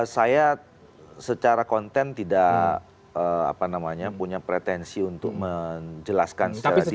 saya secara konten tidak punya pretensi untuk menjelaskan secara detail